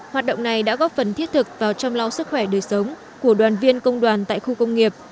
hoạt động này đã góp phần thiết thực vào chăm lo sức khỏe đời sống của đoàn viên công đoàn tại khu công nghiệp